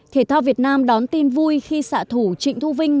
thể thao việt nam đón tin vui khi xạ thủ trịnh thu vinh